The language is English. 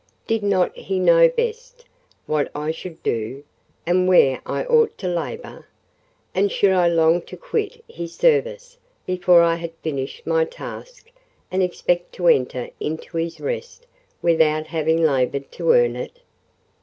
Did not He know best what I should do, and where I ought to labour?—and should I long to quit His service before I had finished my task, and expect to enter into His rest without having laboured to earn it?